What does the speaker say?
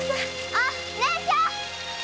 あっ姉ちゃん！